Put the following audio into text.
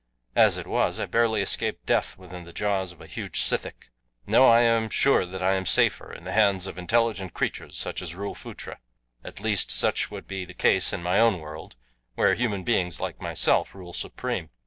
As it was I barely escaped death within the jaws of a huge sithic. No, I am sure that I am safer in the hands of intelligent creatures such as rule Phutra. At least such would be the case in my own world, where human beings like myself rule supreme.